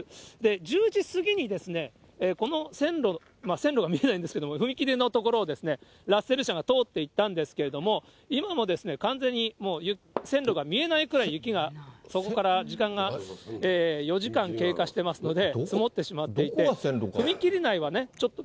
１０時過ぎにこの線路、線路が見えないんですけど、踏切の所をラッセル車が通っていったんですけど、今も完全に線路が見えないくらい、雪がそこから時間が４時間経過してますので、積もってしまっていて、踏切内はちょっと。